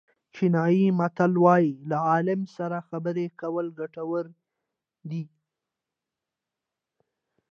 چینایي متل وایي له عالم سره خبرې کول ګټور دي.